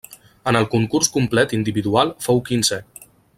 En el concurs complet individual fou quinzè.